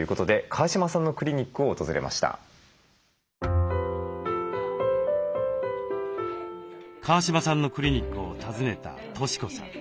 川嶋さんのクリニックを訪ねた俊子さん。